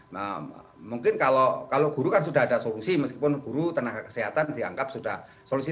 nah mungkin kalau guru kan sudah ada solusi meskipun guru tenaga kesehatan dianggap sudah solusi